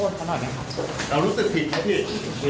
ที่แบบไม่อยากจะพูดอะไรถึงเขาเลยหรอ